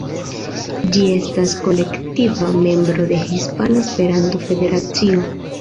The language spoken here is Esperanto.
Ĝi estas kolektiva membro de Hispana Esperanto-Federacio.